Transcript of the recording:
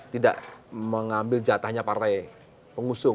tidak mengambil jatahnya partai pengusung